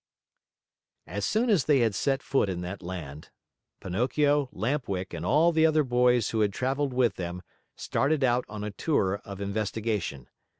As soon as they had set foot in that land, Pinocchio, Lamp Wick, and all the other boys who had traveled with them started out on a tour of investigation.